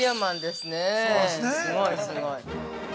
すごいすごい。